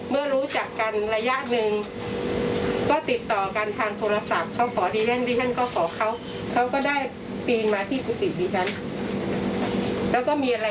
แม่ชีค่ะ